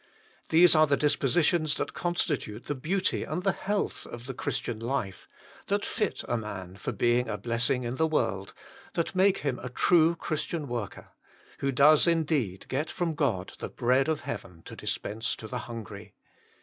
These are the dispositions that constitute the beauty and the health of bhe Christian life, that fit a man for being a blessing in the world, that make him a true Christian worker, who does indeed get from God the bread of heaven to dispense to the hungry.